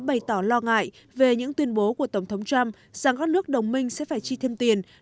bày tỏ lo ngại về những tuyên bố của tổng thống trump rằng các nước đồng minh sẽ phải chi thêm tiền